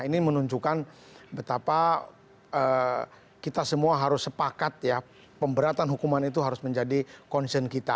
ini menunjukkan betapa kita semua harus sepakat ya pemberatan hukuman itu harus menjadi concern kita